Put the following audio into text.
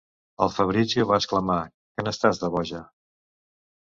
El Fabrizio va exclamar... que n'estàs, de boja!